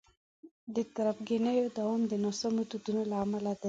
د تربګنیو دوام د ناسمو دودونو له امله دی.